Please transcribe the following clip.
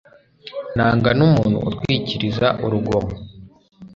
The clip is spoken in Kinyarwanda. nanga n'umuntu utwikiriza urugomo